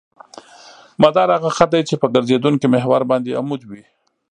مدار هغه خط دی چې په ګرځېدونکي محور باندې عمود وي